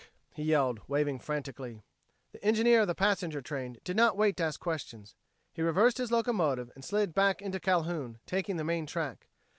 he yelled, waving frantically. The engineer of the passenger train did not wait to ask questions; he reversed his locomotive and slid back into Calhoun, taking the main track.